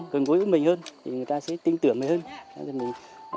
gần vui với mình hơn thì người ta sẽ tin tưởng mình hơn